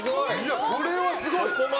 これはすごい！